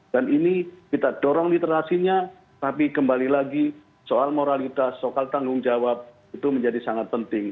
dan ini kita dorong literasinya tapi kembali lagi soal moralitas soal tanggung jawab itu menjadi sangat penting